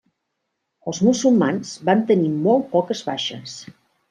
Els musulmans van tenir molt poques baixes.